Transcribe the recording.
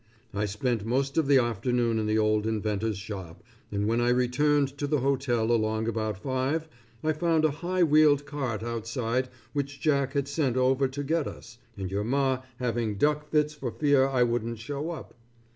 I spent most of the afternoon in the old inventor's shop and when I returned to the hotel along about five, I found a high wheeled cart outside which Jack had sent over to get us, and your Ma having duck fits for fear I wouldn't show up.